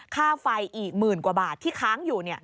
ค่าไฟอีกหมื่นกว่าบาทที่ค้างอยู่